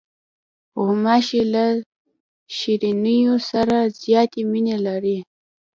غوماشې له شیرینیو سره زیاتې مینې لري.